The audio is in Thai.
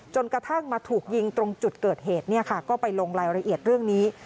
กระทั่งมาถูกยิงตรงจุดเกิดเหตุก็ไปลงรายละเอียดเรื่องนี้